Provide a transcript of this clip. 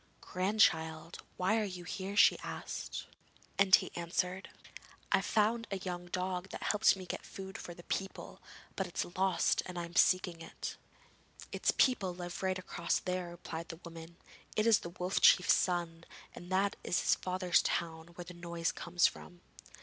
'Grandchild, why are you here?' she asked, and he answered: 'I found a young dog who helped me to get food for the people, but it is lost and I am seeking it.' 'Its people live right across there,' replied the woman. 'It is the Wolf Chief's son, and that is his father's town where the noise comes from.'